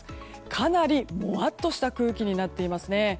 かなりもわっとした空気になっていますね。